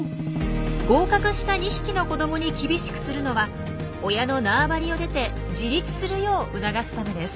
合格した２匹の子どもに厳しくするのは親の縄張りを出て自立するよう促すためです。